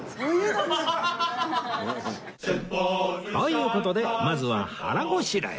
という事でまずは腹ごしらえ